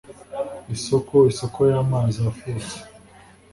isoko, isoko y'amazi afutse